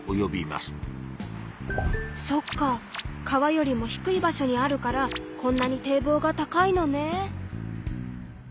そっか川よりも低い場所にあるからこんなに堤防が高いのね。